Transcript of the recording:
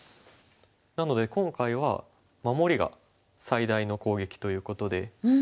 なので今回は守りが最大の攻撃ということで。